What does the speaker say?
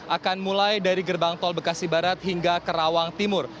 akan mulai dari gerbang tol bekasi barat hingga ke rawang timur